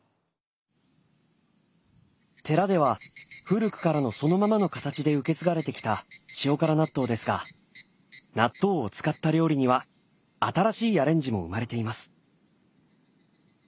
寺では古くからのそのままの形で受け継がれてきた塩辛納豆ですが納豆を使った料理には新しいアレンジも生まれています。